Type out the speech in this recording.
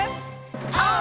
オー！